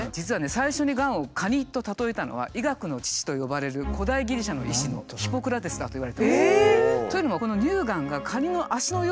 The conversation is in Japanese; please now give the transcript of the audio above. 最初にがんを「かに」と例えたのは医学の父と呼ばれる古代ギリシャの医師のヒポクラテスだといわれております。